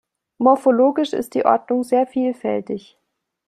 Morphologisch ist die Ordnung sehr vielfältig.